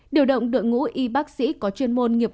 điều động đội ngũ y bác sĩ có chuyên môn nghiệp vụ